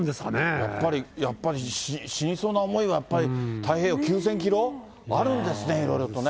やっぱり、やっぱり死にそうな思いはやっぱり太平洋９０００キロ、あるんですね、いろいろとね。